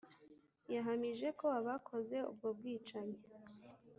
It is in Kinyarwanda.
yahamije ko abakoze ubwo bwicanyi